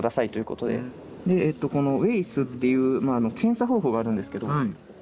でえっとこの「ＷＡＩＳ」っていう検査方法があるんですけど。